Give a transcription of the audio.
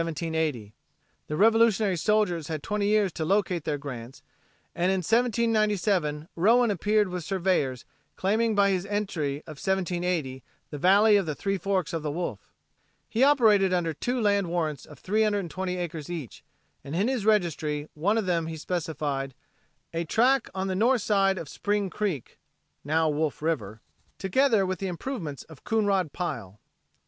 The Revolutionary soldiers had twenty years to locate their grants, and in 1797 Rowan appeared with surveyors, claiming by his entry of 1780 the "Valley of the Three Forks o' the Wolf." He operated under two land warrants of 320 acres each, and in his registry of one of them he specified "a tract on the north side of Spring Creek (now Wolf River), together with the improvements of Coonrod Pile."